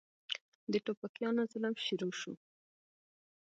د ټوپکيانو ظلم شروع سو.